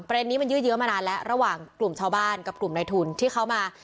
ประเด็นนี้มันยืดเยอะมานานแล้วระหว่างกลุ่มชาวบ้านกับกลุ่มในทุนที่เขามา